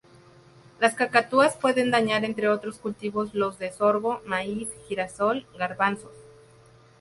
Las cacatúas pueden dañar entre otros cultivos los de sorgo, maíz, girasol, garbanzos.